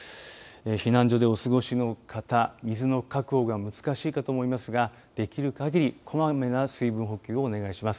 避難所でお過ごしの方水の確保が難しいかと思いますができる限りこまめな水分補給をお願いします。